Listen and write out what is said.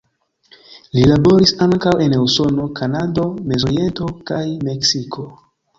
Li laboris ankaŭ en Usono, Kanado, Mezoriento kaj Meksiko.